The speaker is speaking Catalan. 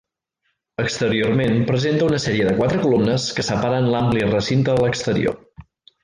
Exteriorment presenta una sèrie de quatre columnes que separen l'ampli recinte de l'exterior.